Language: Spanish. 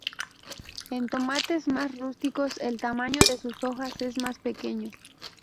En tomates más rústicos el tamaño de sus hojas es más pequeño.